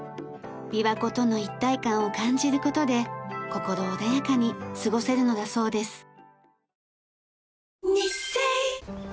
琵琶湖との一体感を感じる事で心穏やかに過ごせるのだそうです。